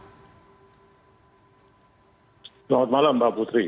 selamat malam mbak putri